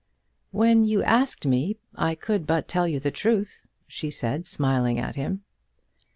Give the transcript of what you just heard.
"When you asked me, I could but tell you the truth," she said, smiling at him.